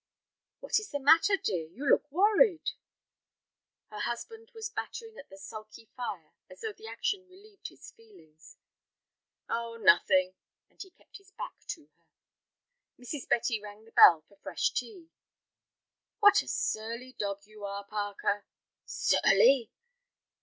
"What is the matter, dear, you look worried?" Her husband was battering at the sulky fire as though the action relieved his feelings. "Oh, nothing," and he kept his back to her. Mrs. Betty rang the bell for fresh tea. "What a surly dog you are, Parker." "Surly!"